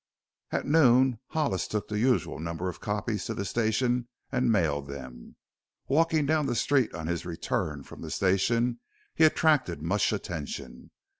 At noon Hollis took the usual number of copies to the station and mailed them. Walking down the street on his return from the station he attracted much attention.